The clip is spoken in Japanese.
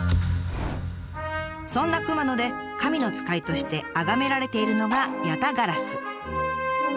そんな熊野で神の使いとしてあがめられているのが八咫烏。